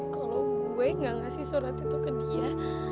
kalau gue gak ngasih surat itu ke dia